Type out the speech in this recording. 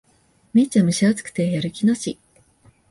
めっちゃ蒸し暑くてやる気なし